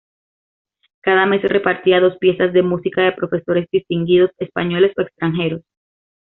Cada mes repartía dos piezas de música de profesores distinguidos, españoles o extranjeros.